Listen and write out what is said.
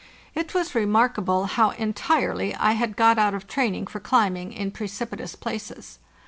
It was remarkable how entirely I had got out of training for climbing in precipi tous places.